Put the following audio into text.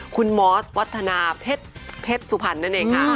คุณมอสวัฒนาเพชรสุพรรณนั่นเองค่ะ